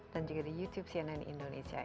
dan juga di youtube cnn indonesia